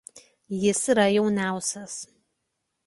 Jis yra jauniausias.